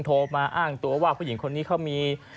โทรมาอ้างตัวว่าผู้หญิงคนนี้เขามี